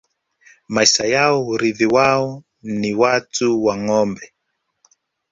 Maisha yao Urithi wao ni watu na Ngombe